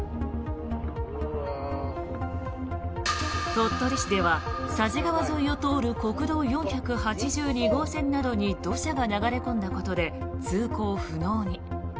鳥取市では佐治川沿いを通る国道４８２号線などに土砂が流れ込んだことで通行不能に。